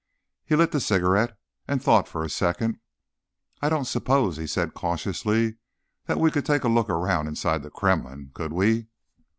He lit the cigarette and thought for a second. "I don't suppose," he said cautiously, "that we could take a look around inside the Kremlin, could we?"